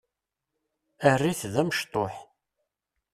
Err-it d amecṭuḥ.